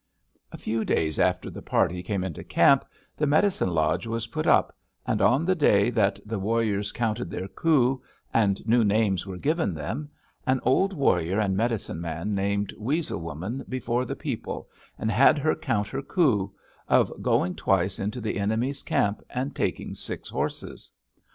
"A few days after the party came into camp the medicine lodge was put up, and on the day that the warriors counted their coups, and new names were given them, an old warrior and medicine man called Weasel Woman before the people, and had her count her coup of going twice into the enemy's camp and taking six horses.